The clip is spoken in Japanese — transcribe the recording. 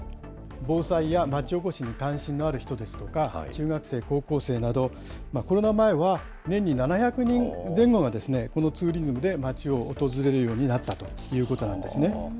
防災や町おこしに関心のある人ですとか、中学生、高校生など、コロナ前は年に７００人前後がこのツーリズムで町を訪れるようになったということなんですね。